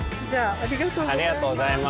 ありがとうございます。